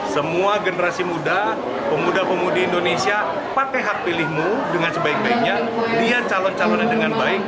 semua generasi muda pemuda pemuda indonesia pakai hak pilihmu dengan sebaik baiknya lihat calon calon